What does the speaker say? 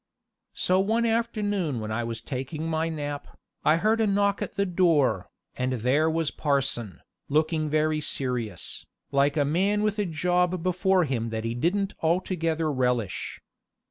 So one afternoon when I was taking my nap, I heard a knock at the door, and there was parson, looking very serious, like a man with a job before him that he didn't altogether relish.